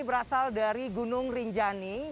berasal dari gunung rinjani